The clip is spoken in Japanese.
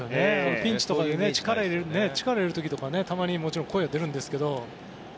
ピンチとかで力を入れる時とかたまに、もちろん声は出るんですが。